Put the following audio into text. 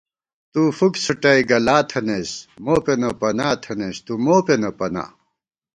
تُو فُک څھُٹَئ گلا تھنَئیس ، موپېنہ پنا تھنَئیس تُو مو پېنہ پنا